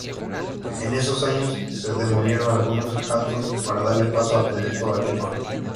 En esos años se demolieron algunos hatos para darle paso al proyecto agrícola.